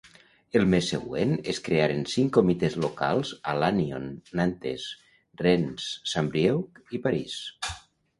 El mes següent es crearen cinc comitès locals a Lannion, Nantes, Rennes, Saint-Brieuc i París.